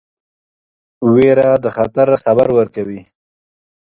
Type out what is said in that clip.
ویره د خطر خبر ورکوي.